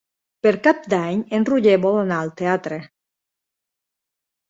Per Cap d'Any en Roger vol anar al teatre.